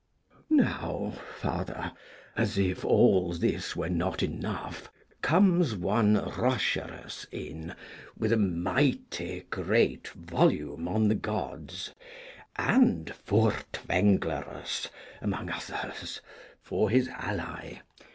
Now, Father, as if all this were not enough, comes one Roscherus in, with a mighty great volume on the Gods, and Furtwaenglerus, among others, for his ally.